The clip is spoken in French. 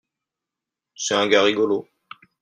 C'est ur gars rigolo.